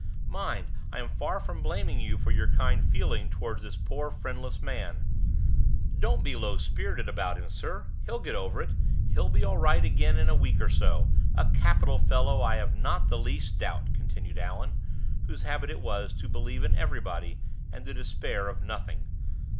Mind, I am far from blaming you for your kind feeling toward this poor friendless man " "Don't be low spirited about him, sir. He'll get over it he'll be all right again in a week or so. A capital fellow, I have not the least doubt!" continued Allan, whose habit it was to believe in everybody and to despair of nothing.